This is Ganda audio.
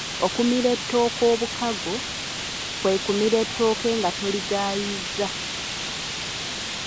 Okumira ettooke obukago, kwe kumira ettooke nga toligayizza.